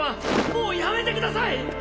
もうやめてください！